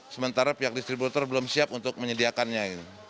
sementara pihak distributor belum siap untuk menyediakannya